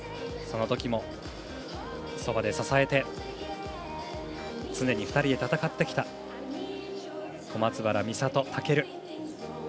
そのときもそばで支えて常に２人で戦ってきた小松原美里、尊。